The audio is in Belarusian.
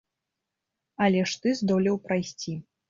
Але ж ты здолеў прайсці.